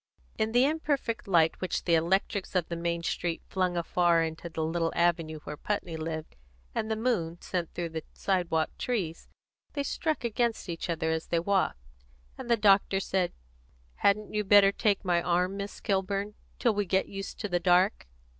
In the imperfect light which the electrics of the main street flung afar into the little avenue where Putney lived, and the moon sent through the sidewalk trees, they struck against each other as they walked, and the doctor said, "Hadn't you better take my arm, Miss Kilburn, till we get used to the dark?"